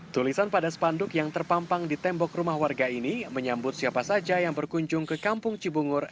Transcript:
tulisan pada spanduk yang terpampang di tembok rumah warga ini menyambut siapa saja yang berkunjung ke kampung cibungur